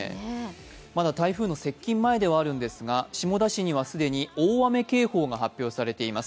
まだ台風の接近前ではあるのですが、下田市には既に大雨警報が発表されています。